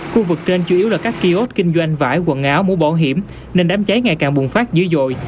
khu vực trên chủ yếu là các kiosk kinh doanh vải quần áo mũ bảo hiểm nên đám cháy ngày càng bùng phát dữ dội